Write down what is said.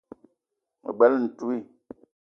Me bela ntouii